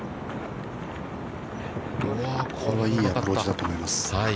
◆これはいいアプローチだと思います。